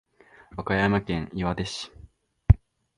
和歌山県岩出市